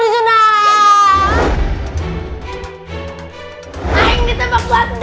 itu sekarang tidur